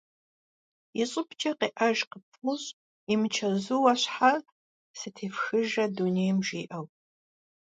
И щӏыбкӏэ къеӏэж къыпфӏощӏ «имычэзууэ щхьэ сытефхыжрэ дунейм?» жиӏэу.